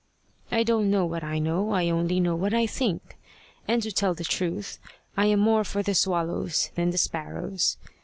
I don't know what I know, I only know what I think; and to tell the truth, I am more for the swallows than the sparrows.